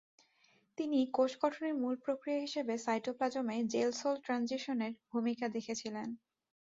তিনি কোষ গঠনের মূল প্রক্রিয়া হিসাবে সাইটোপ্লাজমে জেল-সোল ট্রানজিশনের ভূমিকা দেখেছিলেন।